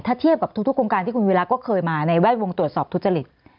ถ้าเทียบกับทุกโครงการที่คุณวีระก็เคยมาในแวดวงตรวจสอบทุจริต